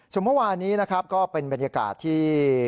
ส่วนเมื่อวานนี้นะครับก็เป็นบรรยากาศที่